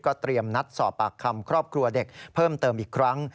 เตรียมนัดสอบปากคำครอบครัวเด็กเพิ่มเติมอีกครั้ง